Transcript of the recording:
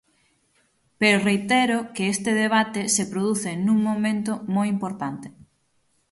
Pero reitero que este debate se produce nun momento moi importante.